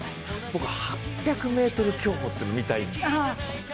僕、８００ｍ競歩っての見たいです。